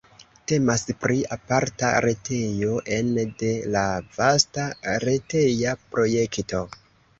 Temas pri aparta retejo ene de la vasta reteja projekto.